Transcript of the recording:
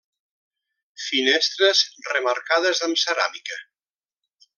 Finestres remarcades amb ceràmica.